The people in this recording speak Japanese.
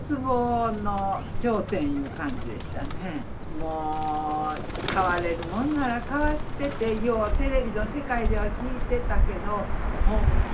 もう「代われるもんなら代わって」ってようテレビの世界では聞いてたけどほんまにそれは思いますねやっぱり。